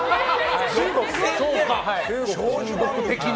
中国的な。